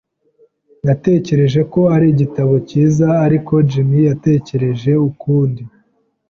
Natekereje ko ari igitabo cyiza, ariko Jim yatekereje ukundi.